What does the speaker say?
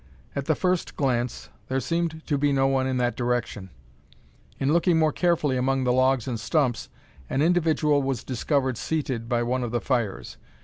At the first glance, there seemed to be no one in that direction. In looking more carefully among the logs and stumps, an individual was discovered seated by one of the fires.